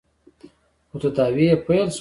خو تداوې يې پیل شول.